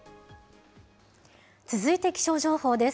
続いて気象情報です。